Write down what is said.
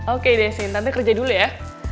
oke deh sini tante kerja dulu ya